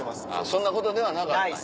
そんなことではなかったんや。